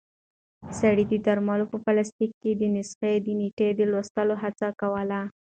سړی د درملو په پلاستیک کې د نسخې د نیټې د لوستلو هڅه کوله.